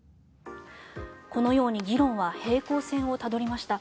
このように議論は平行線をたどりました。